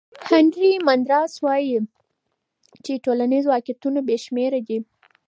هانري مندراس وایي چې ټولنیز واقعیتونه بې شمېره دي.